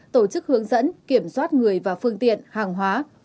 tổ chức hướng dẫn kiểm soát người và phương tiện hàng hóa